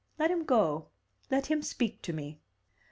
Let him go. Let him speak to me."